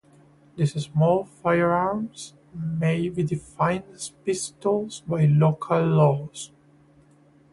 These small firearms may be defined as pistols by local laws.